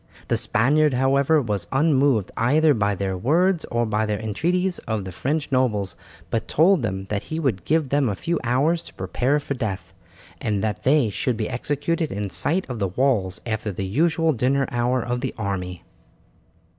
The Spaniard, however, was unmoved either by their words or by the entreaties of the French nobles but told them that he would give them a few hours to prepare for death, and that they should be executed in sight of the walls after the usual dinner hour of the army.